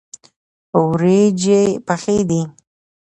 وریژې پخې دي.